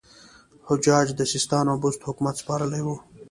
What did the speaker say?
حجاج د سیستان او بست حکومت سپارلی وو.